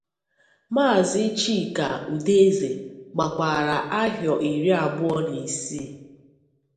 maazị Chika Udeze gbakwara ahọ iri abụọ na isii